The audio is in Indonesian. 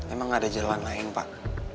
emang ada jalan lain pak